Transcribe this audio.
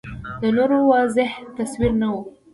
د نورو واضح تصویر نه و